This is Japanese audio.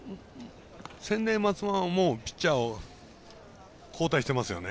専大松戸はもうピッチャーを交代してますよね。